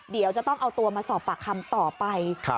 เดี๋ยวจะต้องเอาตัวมาสอบปากคำต่อไป